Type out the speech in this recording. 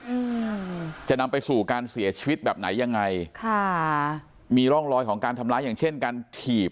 อืมจะนำไปสู่การเสียชีวิตแบบไหนยังไงค่ะมีร่องรอยของการทำร้ายอย่างเช่นการถีบ